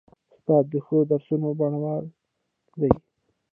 استاد د ښو درسونو بڼوال دی.